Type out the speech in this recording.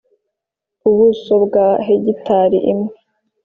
Ubuso bwa hegitari imwe